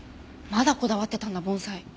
まだこだわってたんだ盆栽。